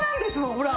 ほら。